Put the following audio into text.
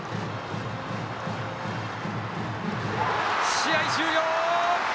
試合終了！